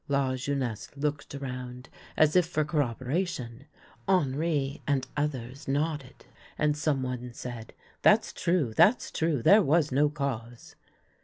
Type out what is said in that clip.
" Lajeunesse looked around, as if for corroboration ; Henri and others nodded, and some one said :" That's true ; that's true. There was no cause."